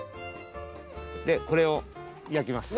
でこれを焼きます。